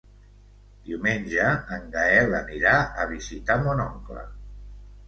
Diumenge en Gaël anirà a visitar mon oncle.